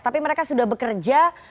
tapi mereka sudah bekerja